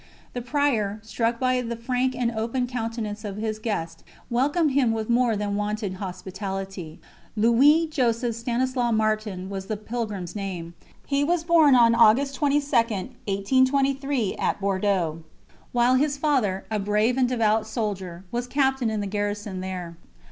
The Prior, struck by the frank and open countenance of his guest, welcomed him with more than wonted hospitality. Louis Joseph Stanislaus Martin was the pilgrim's name. He was born on August 22, 1823, at Bordeaux, while his father, a brave and devout soldier, was captain in the garrison there.